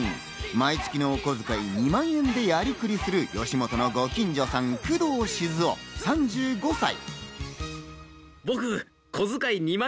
毎月のおこづかい２万円でやりくりする吉本のご近所さん工藤静男３５歳。